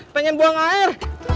pengen buang air